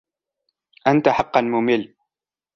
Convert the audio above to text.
أنت حقا ممل.